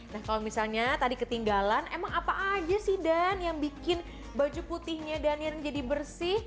nah kalau misalnya tadi ketinggalan emang apa aja sih dan yang bikin baju putihnya daniel jadi bersih